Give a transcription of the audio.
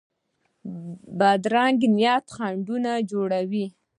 بدرنګه نیت خنډونه جوړوي